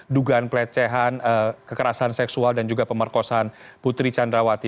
dugaan pelecehan kekerasan seksual dan juga pemerkosaan putri candrawati